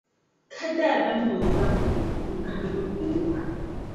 pa daadam ni o zabigu n-kahigi dimbɔŋɔ wuh’ a.